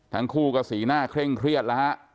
ทั้งคู่ก็สีหน้าเคร่งเครียดแล้วฮะ